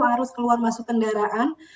harus keluar masuk kendaraan